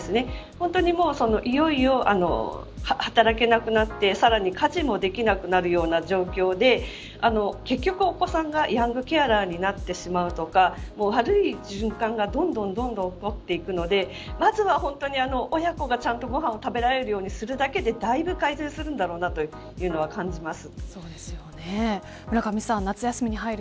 本当に、いよいよ働けなくなってさらに家事もできなくなるような状況で結局お子さんがヤングケアラーになってしまうとか悪い循環がどんどん起こっていくのでまずは、本当に親子がちゃんとご飯を食べられるようにするだけでだいぶ改善するんだろうなというのは感じます。